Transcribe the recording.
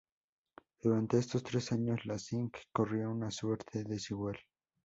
Durante estos tres años, La Cinq corrió una suerte desigual.